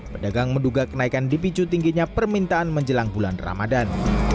pedagang menduga kenaikan dipicu tingginya permintaan menjelang bulan ramadan